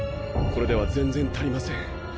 これでは全然足りません。